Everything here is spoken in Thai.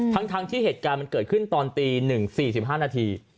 ทั้งที่เหตุการณ์มันเกิดขึ้นตอนตี๑๔๕นาที